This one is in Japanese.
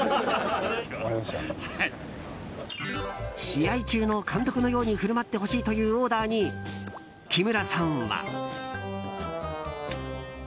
試合中の監督のように振る舞ってほしいというオーダーに木村さんは。ＯＫ！